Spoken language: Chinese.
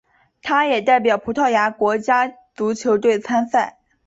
他也代表葡萄牙国家足球队参赛。